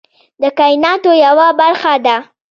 د کایناتو یوه برخه ده.